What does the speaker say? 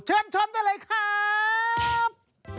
เชิญชมได้เลยครับ